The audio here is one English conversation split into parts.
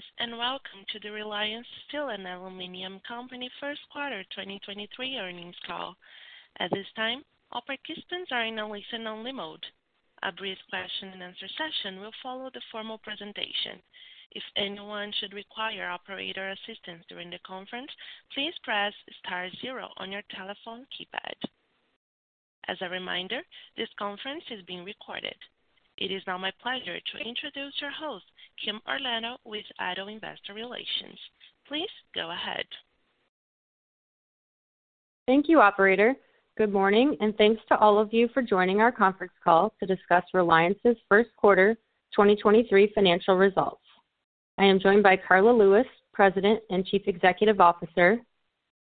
Greetings, and Welcome to the Reliance Steel & Aluminum Company First Quarter 2023 Earnings Call. At this time, all participants are in a listen-only mode. A brief question-and-answer session will follow the formal presentation. If anyone should require operator assistance during the conference, please press star zero on your telephone keypad. As a reminder, this conference is being recorded. It is now my pleasure to introduce your host, Kim Orlando with ADDO Investor Relations. Please go ahead. Thank you, operator. Good morning, and thanks to all of you for joining our conference call to discuss Reliance's 1st quarter 2023 financial results. I am joined by Karla Lewis, President and Chief Executive Officer,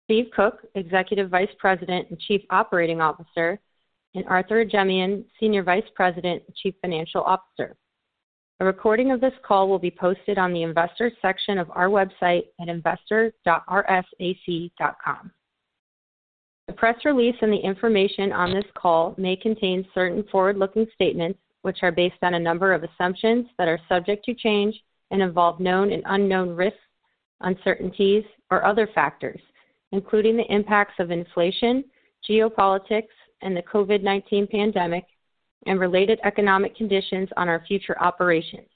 Stephen Koch, Executive Vice President and Chief Operating Officer, and Arthur Ajemyan, Senior Vice President and Chief Financial Officer. A recording of this call will be posted on the investors section of our website at investor.rsac.com. The press release and the information on this call may contain certain forward-looking statements, which are based on a number of assumptions that are subject to change and involve known and unknown risks, uncertainties or other factors, including the impacts of inflation, geopolitics and the COVID-19 pandemic and related economic conditions on our future operations,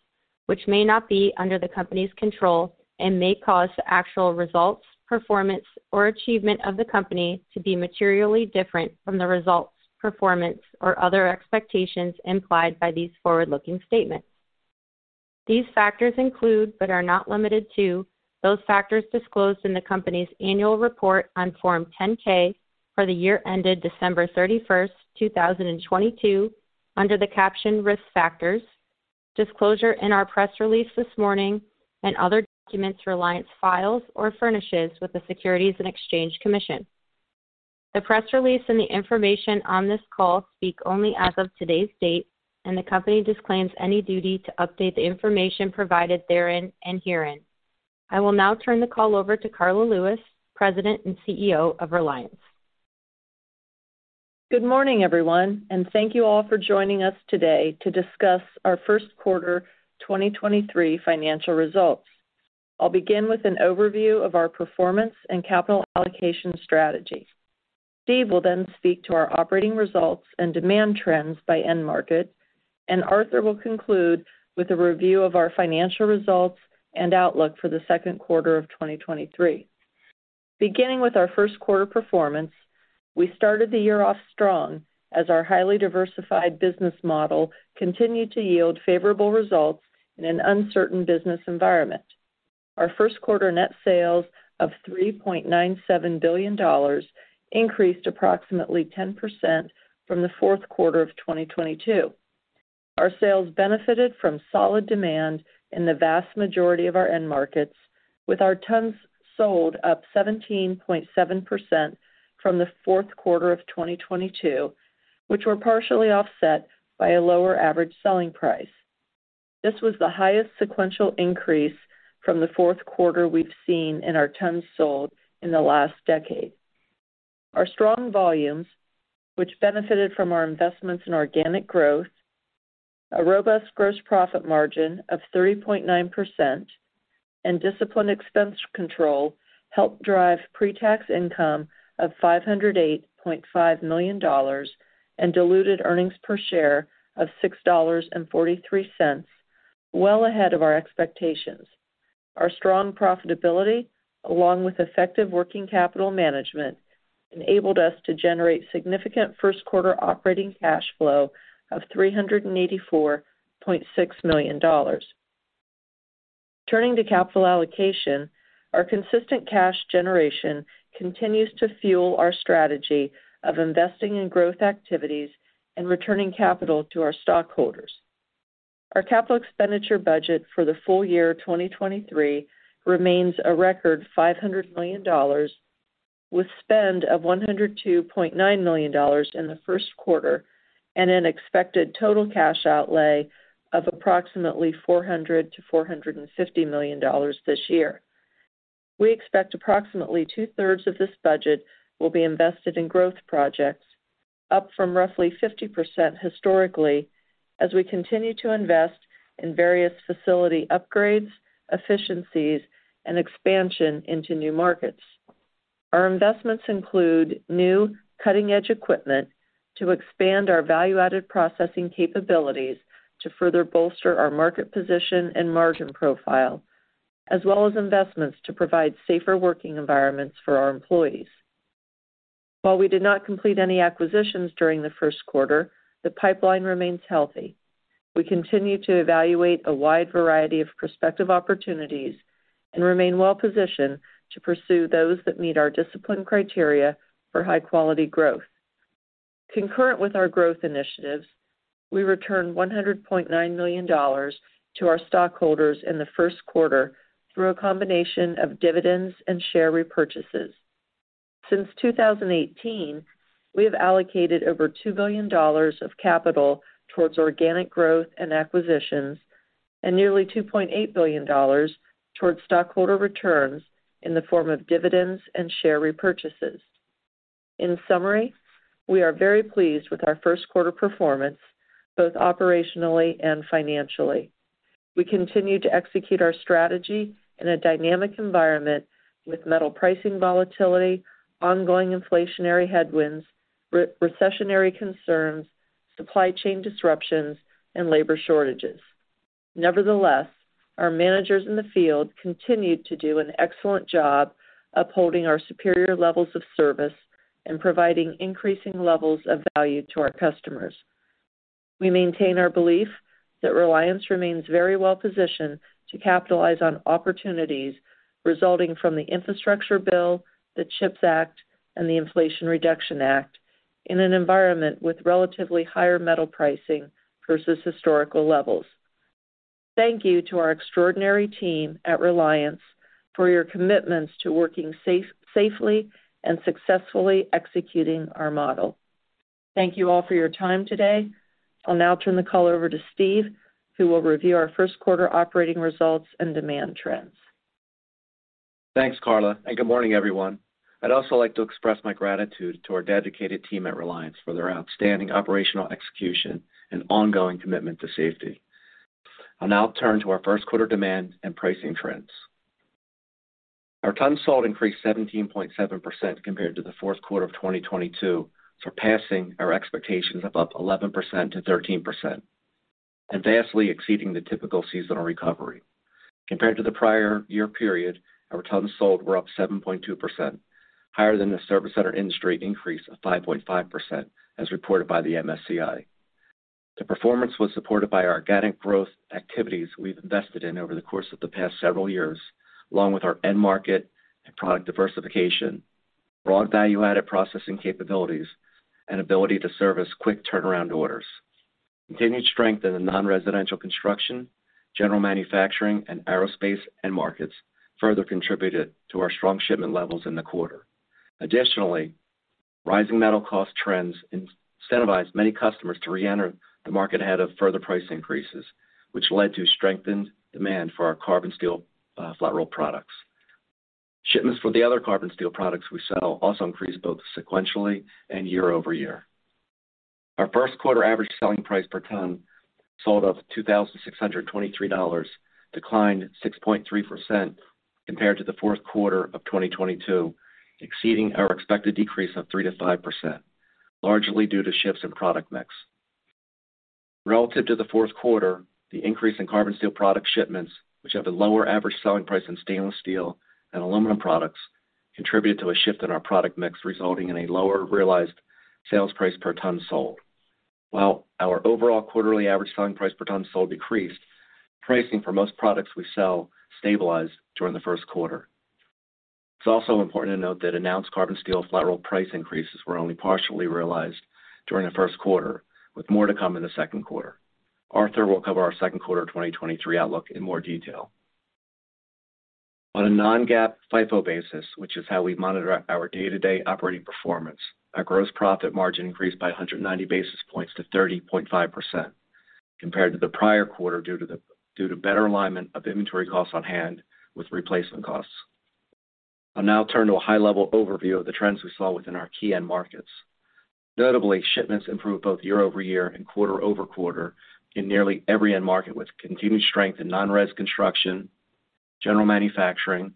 which may not be under the company's control and may cause the actual results, performance or achievement of the company to be materially different from the results, performance or other expectations implied by these forward-looking statements. These factors include, but are not limited to, those factors disclosed in the company's annual report on Form 10-K for the year ended December 31st, 2022 under the caption Risk Factors, disclosure in our press release this morning and other documents Reliance files or furnishes with the Securities and Exchange Commission. The press release and the information on this call speak only as of today's date. The company disclaims any duty to update the information provided therein and herein. I will now turn the call over to Karla Lewis, President and CEO of Reliance. Good morning, everyone, thank you all for joining us today to discuss our 1st quarter 2023 financial results. I'll begin with an overview of our performance and capital allocation strategy. Steve will then speak to our operating results and demand trends by end market, and Arthur will conclude with a review of our financial results and outlook for the 2nd quarter of 2023. Beginning with our 1st quarter performance, we started the year off strong as our highly diversified business model continued to yield favorable results in an uncertain business environment. Our 1st quarter net sales of $3.97 billion increased approximately 10% from the 4th quarter of 2022. Our sales benefited from solid demand in the vast majority of our end markets, with our tons sold up 17.7% from the 4th quarter of 2022, which were partially offset by a lower average selling price. This was the highest sequential increase from the 4th quarter we've seen in our tons sold in the last decade. Our strong volumes, which benefited from our investments in organic growth, a robust gross profit margin of 30.9%, and disciplined expense control, helped drive pre-tax income of $508.5 million and diluted earnings per share of $6.43, well ahead of our expectations. Our strong profitability, along with effective working capital management, enabled us to generate significant 1st quarter operating cash flow of $384.6 million. Turning to capital allocation, our consistent cash generation continues to fuel our strategy of investing in growth activities and returning capital to our stockholders. Our capital expenditure budget for the full year 2023 remains a record $500 million, with spend of $102.9 million in the 1st quarter and an expected total cash outlay of approximately $400 million-$450 million this year. We expect approximately two-3rds of this budget will be invested in growth projects, up from roughly 50% historically, as we continue to invest in various facility upgrades, efficiencies and expansion into new markets. Our investments include new cutting-edge equipment to expand our value-added processing capabilities to further bolster our market position and margin profile, as well as investments to provide safer working environments for our employees. While we did not complete any acquisitions during the 1st quarter, the pipeline remains healthy. We continue to evaluate a wide variety of prospective opportunities and remain well positioned to pursue those that meet our discipline criteria for high-quality growth. Concurrent with our growth initiatives, we returned $100.9 million to our stockholders in the 1st quarter through a combination of dividends and share repurchases. Since 2018, we have allocated over $2 billion of capital towards organic growth and acquisitions and nearly $2.8 billion towards stockholder returns in the form of dividends and share repurchases. In summary, we are very pleased with our 1st quarter performance, both operationally and financially. We continue to execute our strategy in a dynamic environment with metal pricing volatility, ongoing inflationary headwinds, re-recessionary concerns, supply chain disruptions, and labor shortages. Nevertheless, our managers in the field continued to do an excellent job upholding our superior levels of service and providing increasing levels of value to our customers. We maintain our belief that Reliance remains very well-positioned to capitalize on opportunities resulting from the infrastructure bill, the CHIPS Act, and the Inflation Reduction Act in an environment with relatively higher metal pricing versus historical levels. Thank you to our extraordinary team at Reliance for your commitments to working safely and successfully executing our model. Thank you all for your time today. I'll now turn the call over to Steve, who will review our 1st quarter operating results and demand trends. Thanks, Karla, and good morning, everyone. I'd also like to express my gratitude to our dedicated team at Reliance for their outstanding operational execution and ongoing commitment to safety. I'll now turn to our 1st quarter demand and pricing trends. Our tons sold increased 17.7% compared to the 4th quarter of 2022, surpassing our expectations of up 11%-13% and vastly exceeding the typical seasonal recovery. Compared to the prior year period, our tons sold were up 7.2%, higher than the service center industry increase of 5.5%, as reported by the MSCI. The performance was supported by our organic growth activities we've invested in over the course of the past several years, along with our end market and product diversification, broad value-added processing capabilities, and ability to service quick turnaround orders. Continued strength in the non-residential construction, general manufacturing, and aerospace end markets further contributed to our strong shipment levels in the quarter. Additionally, rising metal cost trends incentivized many customers to re-enter the market ahead of further price increases, which led to strengthened demand for our carbon steel flat roll products. Shipments for the other carbon steel products we sell also increased both sequentially and year-over-year. Our 1st quarter average selling price per ton sold of $2,623 declined 6.3% compared to the 4th quarter of 2022, exceeding our expected decrease of 3%-5%, largely due to shifts in product mix. Relative to the 4th quarter, the increase in carbon steel product shipments, which have a lower average selling price than stainless steel and aluminum products, contributed to a shift in our product mix, resulting in a lower realized sales price per ton sold. While our overall quarterly average selling price per ton sold decreased, pricing for most products we sell stabilized during the 1st quarter. It's also important to note that announced carbon steel flat rolled price increases were only partially realized during the 1st quarter, with more to come in the 2nd quarter. Arthur will cover our 2nd quarter 2023 outlook in more detail. On a non-GAAP FIFO basis, which is how we monitor our day-to-day operating performance, our gross profit margin increased by 190 basis points to 30.5% compared to the prior quarter due to better alignment of inventory costs on hand with replacement costs. I'll now turn to a high-level overview of the trends we saw within our key end markets. Notably, shipments improved both year-over-year and quarter-over-quarter in nearly every end market, with continued strength in non-res construction, general manufacturing,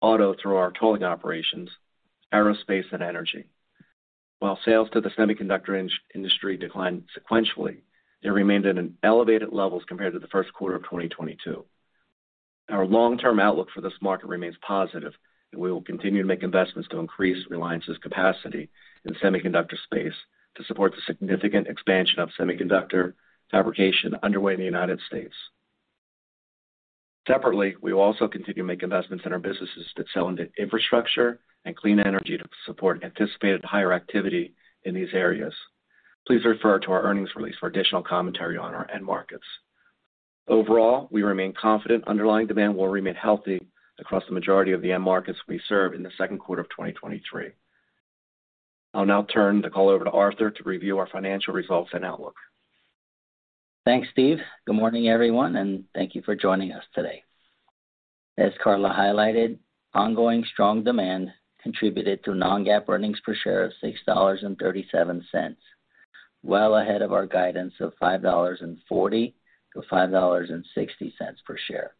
auto through our tolling operations, aerospace, and energy. While sales to the semiconductor industry declined sequentially, they remained at an elevated levels compared to the 1st quarter of 2022. Our long-term outlook for this market remains positive, and we will continue to make investments to increase Reliance's capacity in the semiconductor space to support the significant expansion of semiconductor fabrication underway in the United States. Separately, we will also continue to make investments in our businesses that sell into infrastructure and clean energy to support anticipated higher activity in these areas. Please refer to our earnings release for additional commentary on our end markets. Overall, we remain confident underlying demand will remain healthy across the majority of the end markets we serve in the 2nd quarter of 2023. I'll now turn the call over to Arthur to review our financial results and outlook. Thanks, Steve. Good morning, everyone, thank you for joining us today. As Karla highlighted, ongoing strong demand contributed to non-GAAP earnings per share of $6.37, well ahead of our guidance of $5.40-$5.60 per share.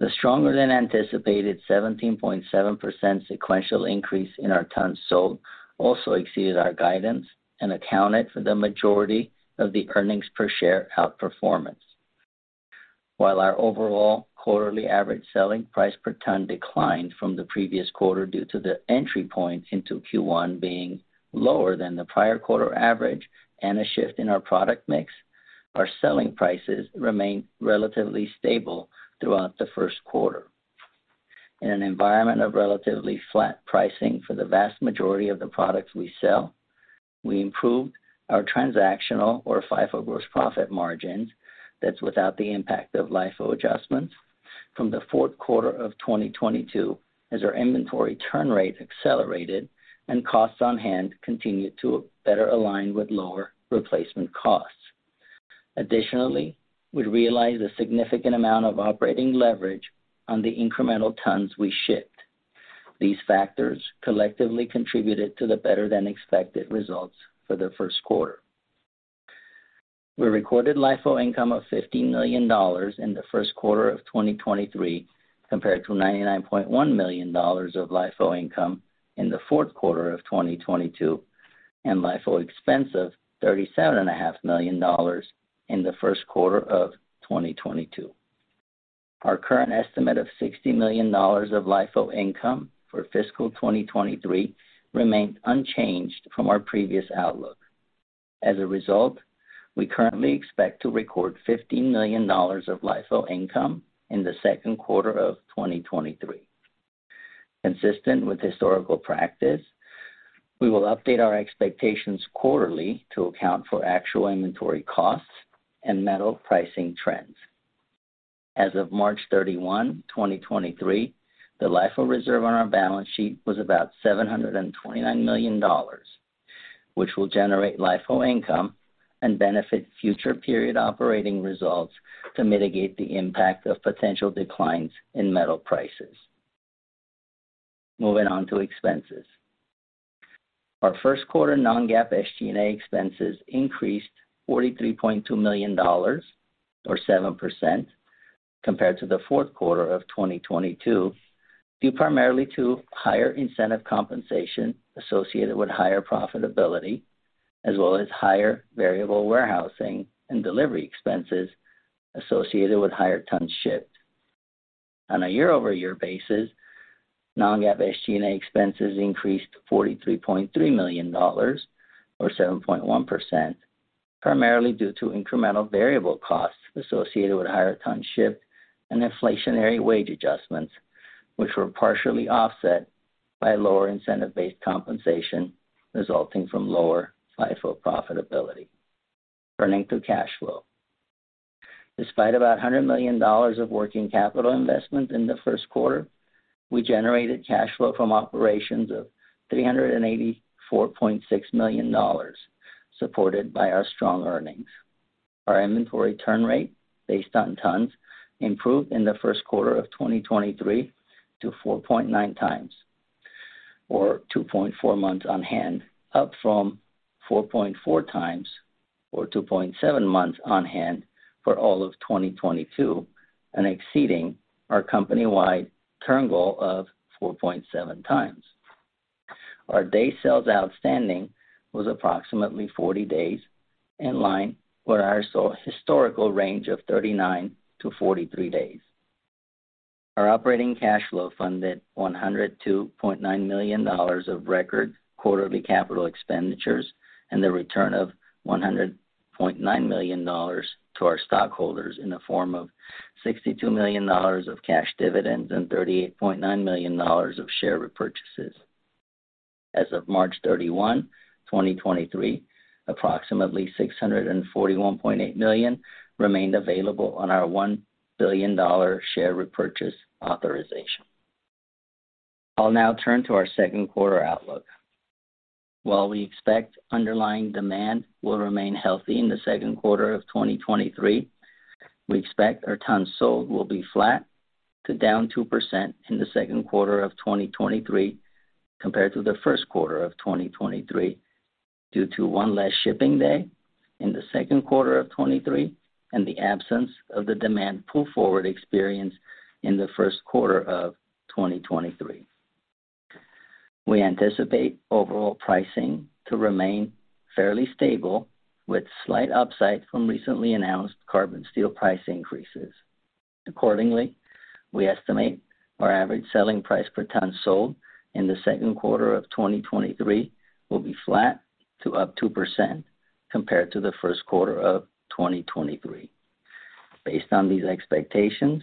The stronger-than-anticipated 17.7% sequential increase in our tons sold also exceeded our guidance and accounted for the majority of the earnings per share outperformance. While our overall quarterly average selling price per ton declined from the previous quarter due to the entry point into Q1 being lower than the prior quarter average and a shift in our product mix, our selling prices remained relatively stable throughout the 1st quarter. In an environment of relatively flat pricing for the vast majority of the products we sell, we improved our transactional or FIFO gross profit margins, that's without the impact of LIFO adjustments, from the 4th quarter of 2022 as our inventory turn rate accelerated and costs on hand continued to better align with lower replacement costs. Additionally, we realized a significant amount of operating leverage on the incremental tons we shipped. These factors collectively contributed to the better-than-expected results for the 1st quarter. We recorded LIFO income of $50 million in the 1st quarter of 2023, compared to $99.1 million of LIFO income in the 4th quarter of 2022, and LIFO expense of thirty-seven and a half million dollars in the 1st quarter of 2022. Our current estimate of $60 million of LIFO income for fiscal 2023 remained unchanged from our previous outlook. As a result, we currently expect to record $15 million of LIFO income in the 2nd quarter of 2023. Consistent with historical practice, we will update our expectations quarterly to account for actual inventory costs and metal pricing trends. As of March 31, 2023, the LIFO reserve on our balance sheet was about $729 million, which will generate LIFO income and benefit future period operating results to mitigate the impact of potential declines in metal prices. Moving on to expenses. Our 1st quarter non-GAAP SG&A expenses increased $43.2 million, or 7%, compared to the 4th quarter of 2022, due primarily to higher incentive compensation associated with higher profitability, as well as higher variable warehousing and delivery expenses associated with higher tons shipped. On a year-over-year basis, non-GAAP SG&A expenses increased $43.3 million, or 7.1%, primarily due to incremental variable costs associated with higher ton shipped and inflationary wage adjustments, which were partially offset by lower incentive-based compensation resulting from lower LIFO profitability. Turning to cash flow. Despite about $100 million of working capital investment in the 1st quarter, we generated cash flow from operations of $384.6 million, supported by our strong earnings. Our inventory turn rate, based on tons, improved in the 1st quarter of 2023 to 4.9x, or 2.4x months on hand, up from 4.4x, or 2.7x months on hand for all of 2022, and exceeding our company-wide turn goal of 4.7x. Our days sales outstanding was approximately 40 days, in line with our so-historical range of 39-43 days. Our operating cash flow funded $102.9 million of record quarterly capital expenditures, and the return of $100.9 million to our stockholders in the form of $62 million of cash dividends and $38.9 million of share repurchases. As of March 31, 2023, approximately $641.8 million remained available on our $1 billion share repurchase authorization. I'll now turn to our 2nd quarter outlook. While we expect underlying demand will remain healthy in the 2nd quarter of 2023, we expect our tons sold will be flat to down 2% in the 2nd quarter of 2023 compared to the 1st quarter of 2023 due to one less shipping day in the 2nd quarter of 2023 and the absence of the demand pull-forward experience in the 1st quarter of 2023. We anticipate overall pricing to remain fairly stable, with slight upside from recently announced carbon steel price increases. Accordingly, we estimate our average selling price per ton sold in the 2nd quarter of 2023 will be flat to up 2% compared to the 1st quarter of 2023. Based on these expectations,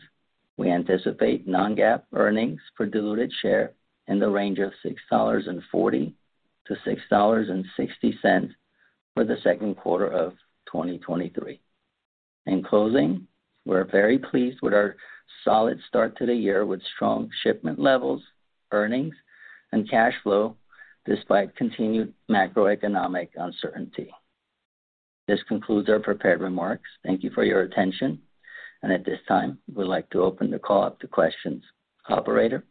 we anticipate non-GAAP earnings per diluted share in the range of $6.40-$6.60 for the 2nd quarter of 2023. In closing, we're very pleased with our solid start to the year with strong shipment levels, earnings, and cash flow, despite continued macroeconomic uncertainty. This concludes our prepared remarks. Thank you for your attention. At this time, we'd like to open the call up to questions. Operator?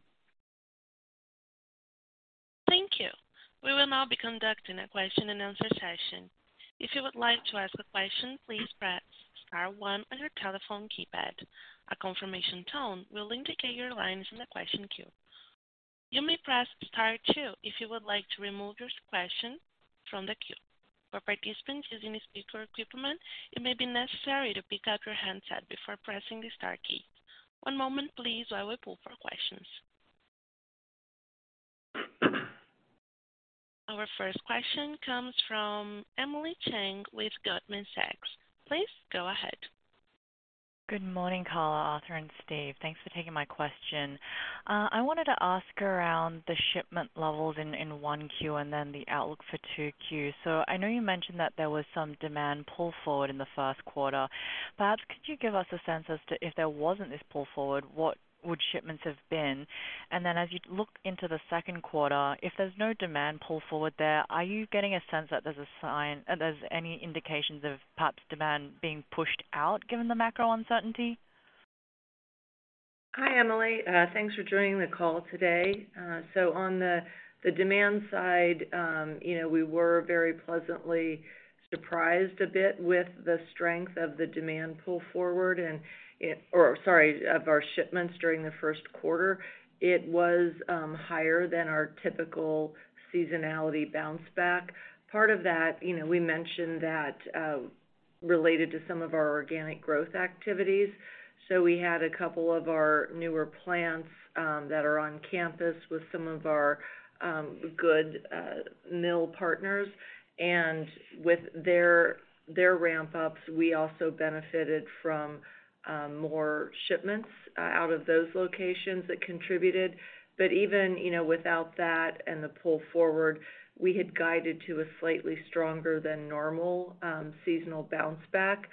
Thank you. We will now be conducting a question-and-answer session. If you would like to ask a question, please press star one on your telephone keypad. A confirmation tone will indicate your line is in the question queue. You may press star two if you would like to remove your question from the queue. For participants using a speaker equipment, it may be necessary to pick up your handset before pressing the star key. One moment please while we pull for questions. Our 1st question comes from Emily Chieng with Goldman Sachs. Please go ahead. Good morning, Karla, Arthur, and Steve. Thanks for taking my question. I wanted to ask around the shipment levels in 1Q and then the outlook for 2Q. I know you mentioned that there was some demand pull forward in the 1st quarter. Perhaps could you give us a sense as to if there wasn't this pull forward, what would shipments have been? As you look into the 2nd quarter, if there's no demand pull forward there, are you getting a sense that there's any indications of perhaps demand being pushed out given the macro uncertainty? Hi, Emily. Thanks for joining the call today. On the demand side, you know, we were very pleasantly surprised a bit with the strength of the demand pull forward or sorry, of our shipments during the 1st quarter. It was higher than our typical seasonality bounce back. Part of that, you know, we mentioned that related to some of our organic growth activities. We had a couple of our newer plants that are on campus with some of our good mill partners. With their ramp ups, we also benefited from more shipments out of those locations that contributed. Even, you know, without that and the pull forward, we had guided to a slightly stronger than normal seasonal bounce back.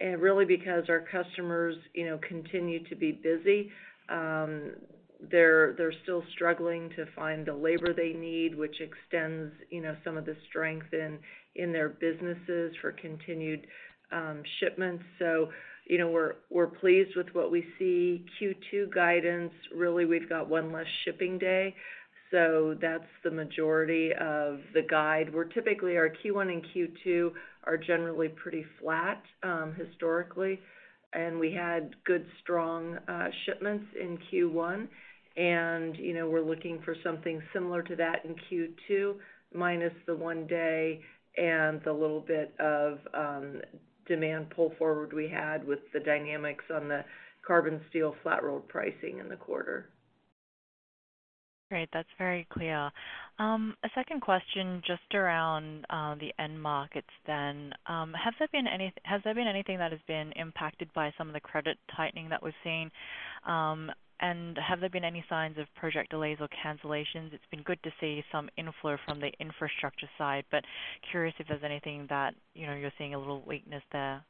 Because our customers, you know, continue to be busy, they're still struggling to find the labor they need, which extends, you know, some of the strength in their businesses for continued shipments. We're pleased with what we see. Q2 guidance, really we've got one less shipping day, so that's the majority of the guide, where typically our Q1 and Q2 are generally pretty flat historically. We had good strong shipments in Q1. We're looking for something similar to that in Q2, minus the one day and the little bit of demand pull forward we had with the dynamics on the carbon flat-rolled pricing in the quarter. Great. That's very clear. A 2nd question just around the end markets then. Has there been anything that has been impacted by some of the credit tightening that we're seeing? Have there been any signs of project delays or cancellations? It's been good to see some inflow from the infrastructure side, but curious if there's anything that, you know, you're seeing a little weakness there.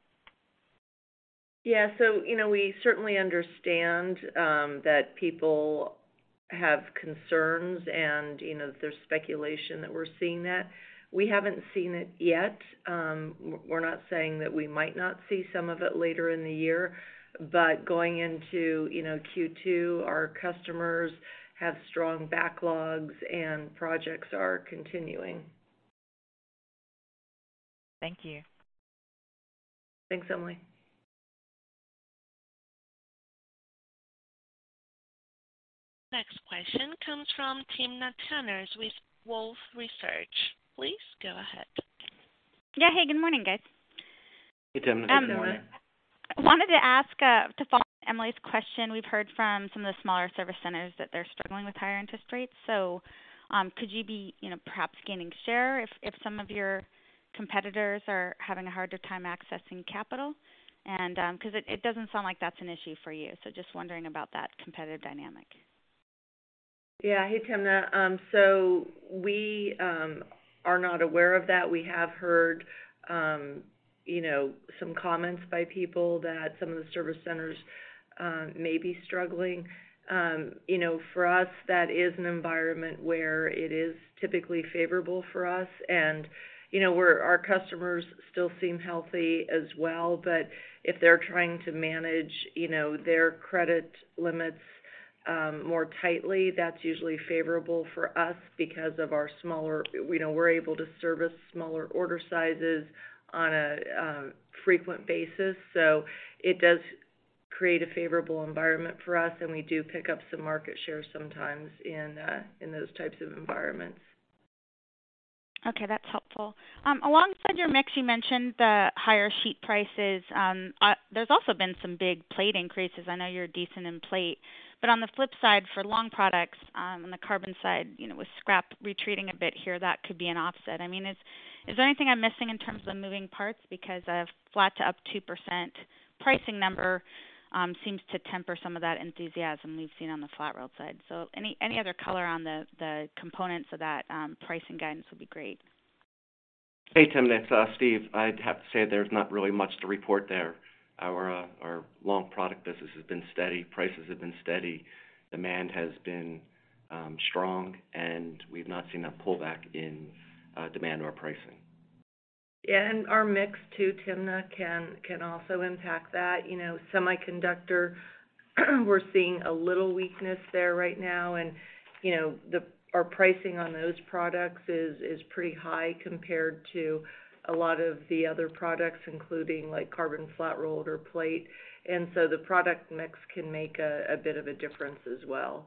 Yeah. You know, we certainly understand that people have concerns and, you know, there's speculation that we're seeing that. We haven't seen it yet. We're not saying that we might not see some of it later in the year, but going into, you know, Q2, our customers have strong backlogs and projects are continuing. Thank you. Thanks, Emily. Next question comes from Timna Tanners with Wolfe Research. Please go ahead. Yeah. Hey, good morning, guys. I wanted to ask, to follow Emily's question. We've heard from some of the smaller service centers that they're struggling with higher interest rates. Could you be, you know, perhaps gaining share if some of your competitors are having a harder time accessing capital? 'Cause it doesn't sound like that's an issue for you. Just wondering about that competitive dynamic. Yeah. Hey, Timna. We are not aware of that. We have heard, you know, some comments by people that some of the service centers may be struggling. You know, for us, that is an environment where it is typically favorable for us and, you know, our customers still seem healthy as well. If they're trying to manage, you know, their credit limits more tightly, that's usually favorable for us because of our smaller, you know, we're able to service smaller order sizes on a frequent basis. It does create a favorable environment for us, and we do pick up some market share sometimes in those types of environments. Okay. That's helpful. Alongside your mix, you mentioned the higher sheet prices. There's also been some big plate increases. I know you're decent in plate. But on the flip side, for long products, on the carbon side, you know, with scrap retreating a bit here, that could be an offset. I mean, is there anything I'm missing in terms of the moving parts? Because a flat to up 2% pricing number, seems to temper some of that enthusiasm we've seen on the flat-rolled side. Any, any other color on the components of that pricing guidance would be great. Hey, Timna. It's Steve. I'd have to say there's not really much to report there. Our long product business has been steady, prices have been steady. Demand has been strong, and we've not seen a pullback in demand or pricing. Yeah. Our mix too, Timna, can also impact that. You know, semiconductor, we're seeing a little weakness there right now, you know, our pricing on those products is pretty high compared to a lot of the other products, including like carbon flat-rolled or plate. The product mix can make a bit of a difference as well.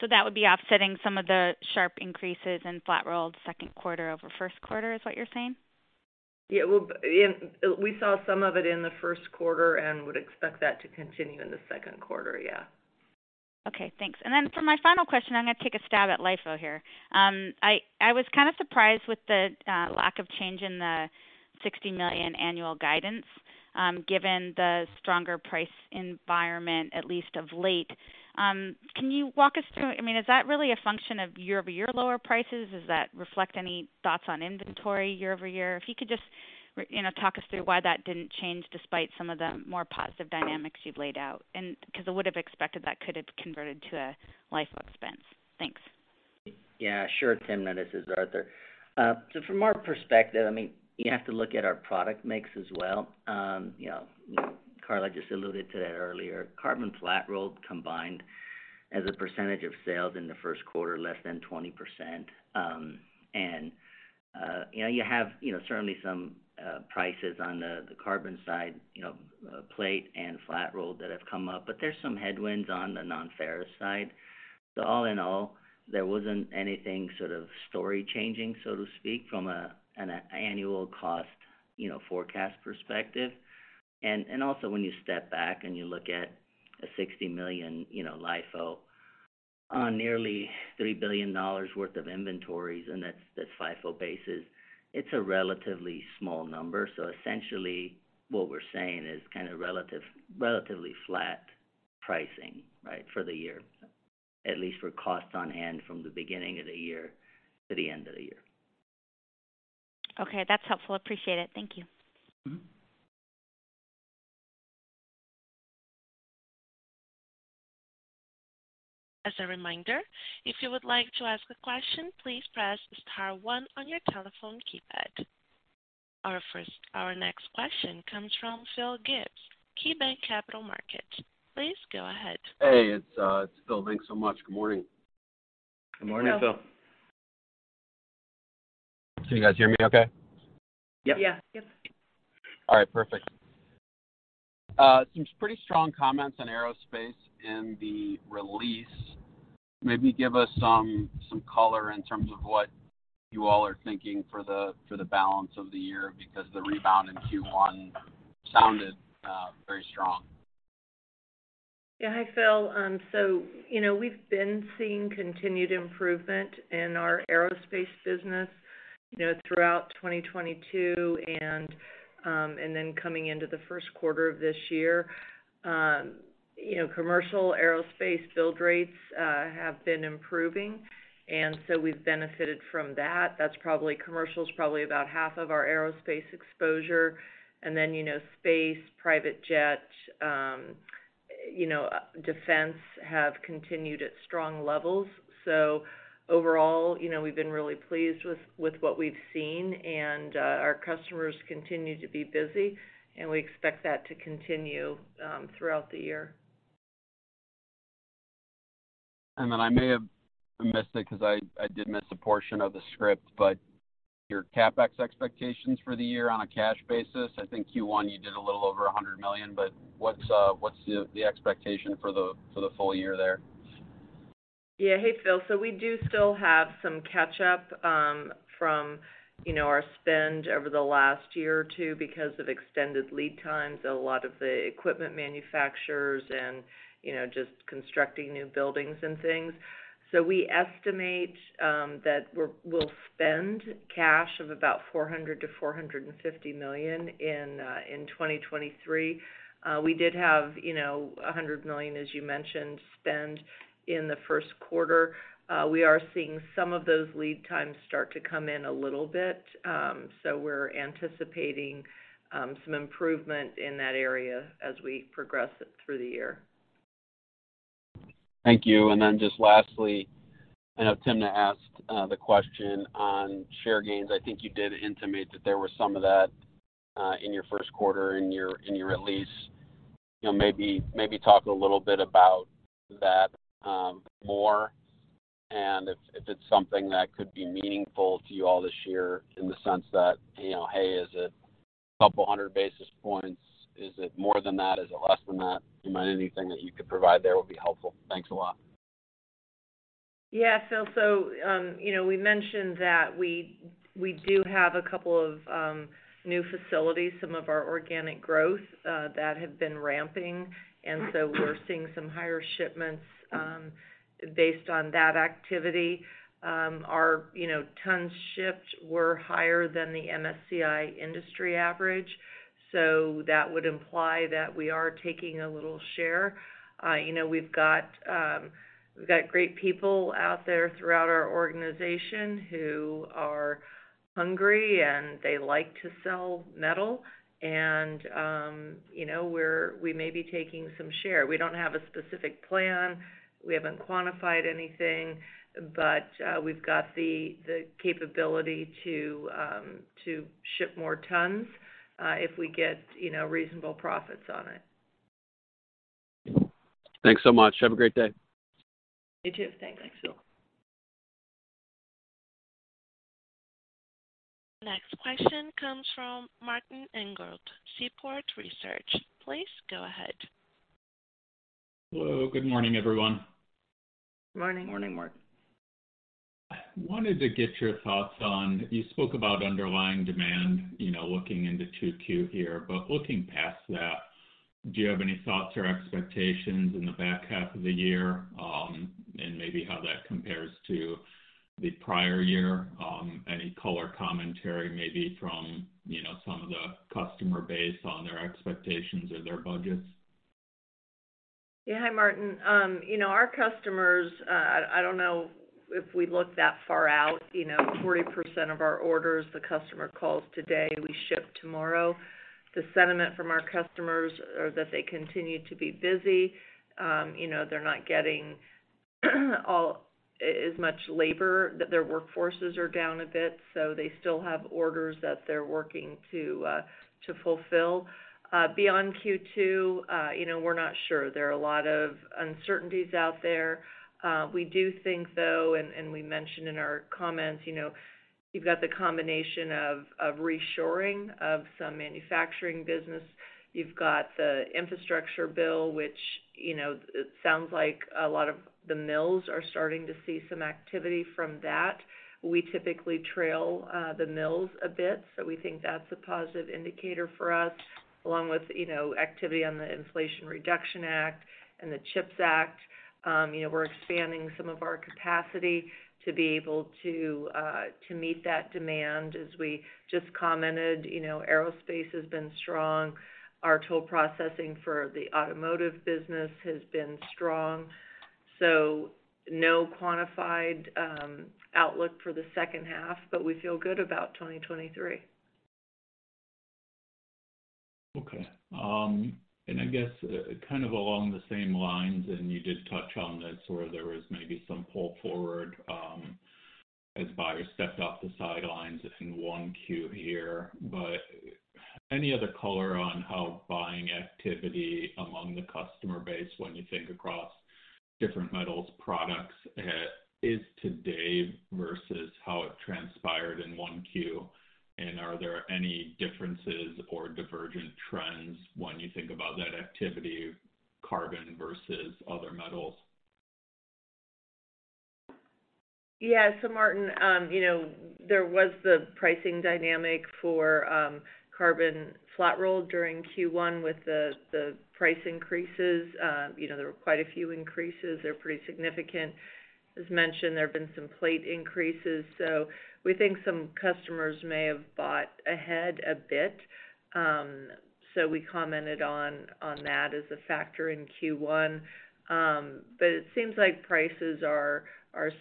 That would be offsetting some of the sharp increases in flat rolled 2nd quarter over 1st quarter, is what you're saying? Yeah. Well, we saw some of it in the 1st quarter and would expect that to continue in the 2nd quarter. Yeah. Okay. Thanks. For my final question, I'm gonna take a stab at LIFO here. I was kind of surprised with the lack of change in the $60 million annual guidance given the stronger price environment at least of late. Can you walk us through, I mean, is that really a function of year-over-year lower prices? Does that reflect any thoughts on inventory year-over-year? If you could just- You know, talk us through why that didn't change despite some of the more positive dynamics you've laid out. 'cause I would have expected that could have converted to a LIFO expense. Thanks. Yeah, sure, Tim. This is Arthur. So from our perspective, I mean, you have to look at our product mix as well. You know, Karla just alluded to that earlier. carbon flat-rolled combined as a percentage of sales in the 1st quarter, less than 20%. You know, you have, you know, certainly some prices on the carbon side, you know, plate and flat roll that have come up, but there's some headwinds on the non-ferrous side. All in all, there wasn't anything sort of story changing, so to speak, from an annual cost, you know, forecast perspective. Also, when you step back and you look at a $60 million, you know, LIFO on nearly $3 billion worth of inventories, and that's FIFO basis, it's a relatively small number. Essentially, what we're saying is kind of relatively flat pricing, right, for the year, at least for costs on hand from the beginning of the year to the end of the year. Okay, that's helpful. Appreciate it. Thank you. Mm-hmm. As a reminder, if you would like to ask a question, please press star one on your telephone keypad. Our next question comes from Phil Gibbs, KeyBanc Capital Markets. Please go ahead. Hey, it's Phil. Thanks so much. Good morning. Good morning, Phil. Can you guys hear me okay? Yep. Yeah. All right, perfect. Some pretty strong comments on aerospace in the release. Maybe give us some color in terms of what you all are thinking for the, for the balance of the year, because the rebound in Q1 sounded very strong. Yeah. Hi, Phil. You know, we've been seeing continued improvement in our aerospace business, you know, throughout 2022 and, then coming into the 1st quarter of this year. You know, commercial aerospace build rates, have been improving, and so we've benefited from that. Commercial is probably about half of our aerospace exposure. Then, you know, space, private jet, you know, defense have continued at strong levels. Overall, you know, we've been really pleased with what we've seen, and, our customers continue to be busy, and we expect that to continue, throughout the year. I may have missed it 'cause I did miss a portion of the script, but your CapEx expectations for the year on a cash basis, I think Q1 you did a little over $100 million, but what's the expectation for the, for the full year there? Yeah. Hey, Phil. We do still have some catch up from, you know, our spend over the last year or two because of extended lead times, a lot of the equipment manufacturers and, you know, just constructing new buildings and things. We estimate that we'll spend cash of about $400 million-$450 million in 2023. We did have, you know, $100 million, as you mentioned, spend in the 1st quarter. We are seeing some of those lead times start to come in a little bit, we're anticipating some improvement in that area as we progress it through the year. Thank you. Just lastly, I know Timna asked the question on share gains. I think you did intimate that there was some of that in your 1st quarter in your release. You know, maybe talk a little bit about that more and if it's something that could be meaningful to you all this year in the sense that, you know, hey, is it a couple hundred basis points? Is it more than that? Is it less than that? I mean, anything that you could provide there would be helpful. Thanks a lot. Yeah. You know, we mentioned that we do have a couple of new facilities, some of our organic growth that have been ramping. We're seeing some higher shipments based on that activity. Our, you know, tons shipped were higher than the MSCI industry average, so that would imply that we are taking a little share. You know, we've got great people out there throughout our organization who are hungry, and they like to sell metal. You know, we may be taking some share. We don't have a specific plan. We haven't quantified anything. We've got the capability to ship more tons if we get, you know, reasonable profits on it. Thanks so much. Have a great day. You too. Thanks. Thanks, Phil. Next question comes from Martin Englert, Seaport Research. Please go ahead. Hello. Good morning, everyone. Morning. Morning, Martin. Wanted to get your thoughts on. You spoke about underlying demand, you know, looking into 2Q here, but looking past that, do you have any thoughts or expectations in the back half of the year, and maybe how that compares to the prior year? Any color commentary maybe from, you know, some of the customer base on their expectations or their budgets? Yeah. Hi, Martin. You know, our customers, I don't know if we look that far out, you know, 40% of our orders, the customer calls today, we ship tomorrow. The sentiment from our customers are that they continue to be busy. You know, they're not getting as much labor, that their workforces are down a bit, so they still have orders that they're working to fulfill. Beyond Q2, you know, we're not sure. There are a lot of uncertainties out there. We do think though, and we mentioned in our comments, you know, you've got the combination of reshoring of some manufacturing business. You've got the infrastructure bill, which, you know, it sounds like a lot of the mills are starting to see some activity from that. We typically trail the mills a bit. We think that's a positive indicator for us, along with, you know, activity on the Inflation Reduction Act and the CHIPS Act. You know, we're expanding some of our capacity to be able to meet that demand. As we just commented, you know, aerospace has been strong. Our tool processing for the automotive business has been strong. No quantified outlook for the 2nd half, but we feel good about 2023. Okay. I guess, kind of along the same lines, and you did touch on this, where there was maybe some pull forward, as buyers stepped off the sidelines in 1Q here. Any other color on how buying activity among the customer base, when you think across different metals products, is today versus how it transpired in 1Q? Are there any differences or divergent trends when you think about that activity, carbon versus other metals? Yeah. Martin, you know, there was the pricing dynamic for carbon flat-rolled during Q1 with the price increases. you know, there were quite a few increases. They're pretty significant. As mentioned, there have been some plate increases, so we think some customers may have bought ahead a bit. We commented on that as a factor in Q1. It seems like prices are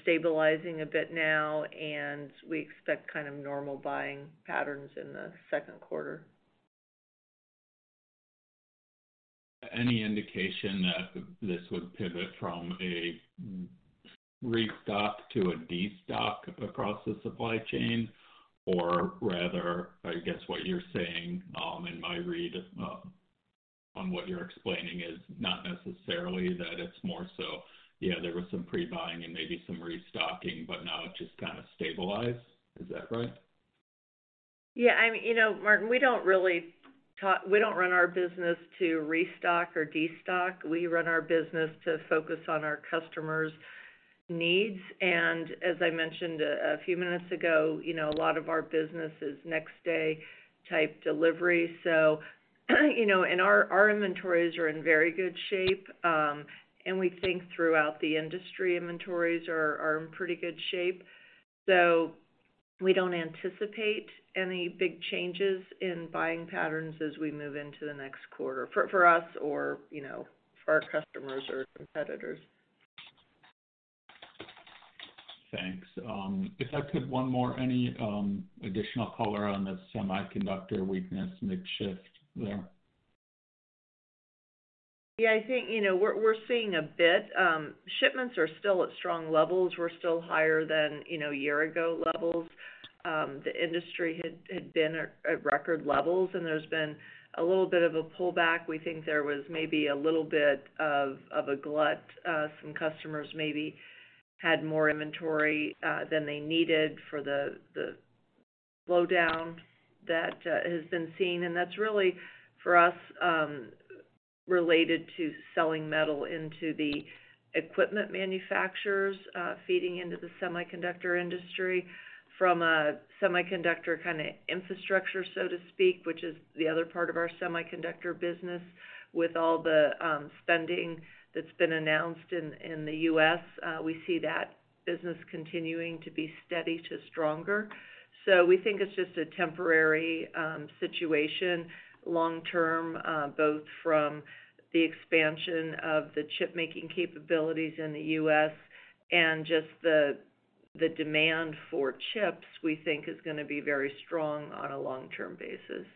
stabilizing a bit now, and we expect kind of normal buying patterns in the 2nd quarter. Any indication that this would pivot from a restock to a destock across the supply chain? Rather, I guess, what you're saying, in my read, on what you're explaining, is not necessarily that it's more so, yeah, there was some pre-buying and maybe some restocking, but now it's just kind of stabilized. Is that right? Yeah. You know, Martin, we don't run our business to restock or destock. We run our business to focus on our customers' needs. As I mentioned a few minutes ago, you know, a lot of our business is next-day-type delivery. You know, and our inventories are in very good shape. And we think throughout the industry, inventories are in pretty good shape. We don't anticipate any big changes in buying patterns as we move into the next quarter, for us or, you know, for our customers or competitors. Thanks. If I could one more. Any additional color on the semiconductor weakness mix shift there? Yeah. I think, you know, we're seeing a bit. Shipments are still at strong levels. We're still higher than, you know, year-ago levels. The industry had been at record levels, and there's been a little bit of a pullback. We think there was maybe a little bit of a glut. Some customers maybe had more inventory than they needed for the slowdown that has been seen, and that's really, for us, related to selling metal into the equipment manufacturers, feeding into the semiconductor industry from a semiconductor kind of infrastructure, so to speak, which is the other part of our semiconductor business. With all the spending that's been announced in the U.S., we see that business continuing to be steady to stronger. We think it's just a temporary situation long term, both from the expansion of the chip-making capabilities in the U.S. and the demand for chips, we think is gonna be very strong on a long-term basis.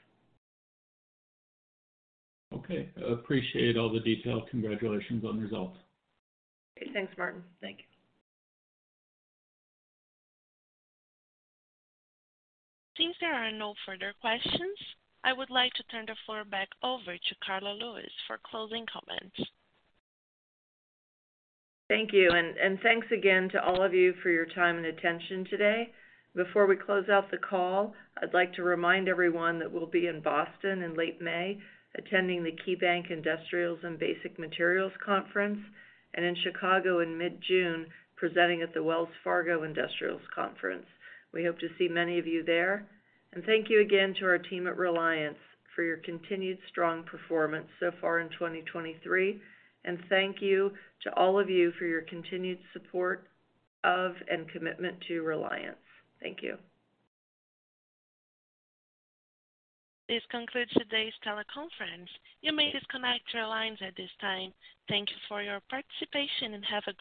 Okay. I appreciate all the detail. Congratulations on the results. Okay, thanks, Martin. Thank you. Since there are no further questions, I would like to turn the floor back over to Karla Lewis for closing comments. Thank you. Thanks again to all of you for your time and attention today. Before we close out the call, I'd like to remind everyone that we'll be in Boston in late May, attending the KeyBanc Industrials and Basic Materials Conference, and in Chicago in mid-June, presenting at the Wells Fargo Industrials Conference. We hope to see many of you there. Thank you again to our team at Reliance for your continued strong performance so far in 2023. Thank you to all of you for your continued support of and commitment to Reliance. Thank you. This concludes today's teleconference. You may disconnect your lines at this time. Thank you for your participation, and have a great day.